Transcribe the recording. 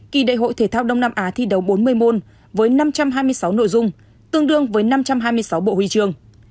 kỳ đại hội thể thao đông nam á thi đấu bốn mươi môn với năm trăm hai mươi sáu nội dung tương đương với năm trăm hai mươi sáu bộ huy chương